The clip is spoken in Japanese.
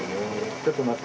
ちょっと待って。